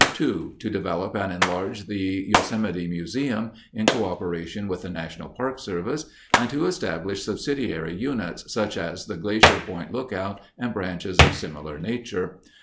2. To develop and enlarge the Yosemite Museum (in coöperation with the National Park Service) and to establish subsidiary units, such as the Glacier Point Lookout and branches of similar nature.